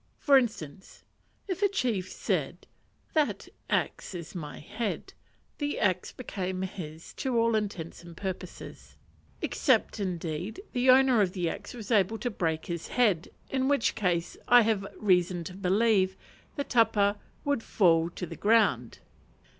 For instance, if a chief said, "That axe is my head," the axe became his to all intents and purposes; except, indeed, the owner of the axe was able to break his "head," in which case, I have reason to believe, the tapa would fall to the ground.